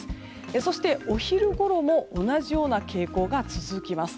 そしてお昼ごろも同じような傾向が続きます。